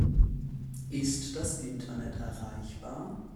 Ist das Internet erreichbar?